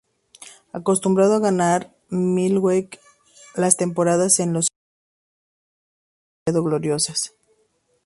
Acostumbrado a ganar en Milwaukee, las temporadas en los Clippers no fueron demasiado gloriosas.